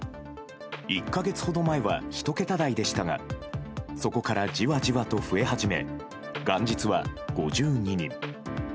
１か月ほど前は１桁台でしたがそこから、じわじわと増え始め元日は５２人。